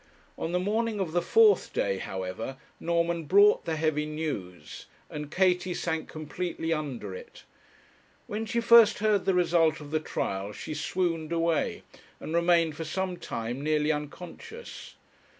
On the morning of the fourth day, however, Norman brought the heavy news, and Katie sank completely under it. When she first heard the result of the trial she swooned away, and remained for some time nearly unconscious.